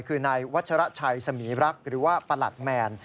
คือนายวัชระชัยสมีรักษ์หรือว่าประหลัดแมน